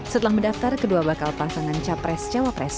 setelah mendaftar kedua bakal pasangan capres cawapres